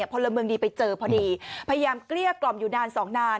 พลเมืองดีไปเจอพอดีพยายามเกลี้ยกล่อมอยู่นานสองนาน